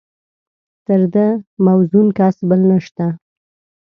تر ده موزون کس بل نشته.